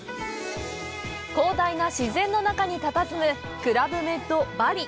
広大な自然の中にたたずむクラブメッド・バリ。